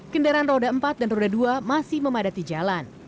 kendaraan roda empat dan roda dua masih memadati jalan